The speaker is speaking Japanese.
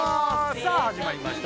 さあ始まりました